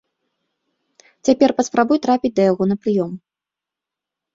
Цяпер паспрабуй трапіць да яго на прыём.